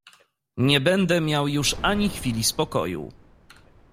"Nie będę miał już ani chwili spokoju."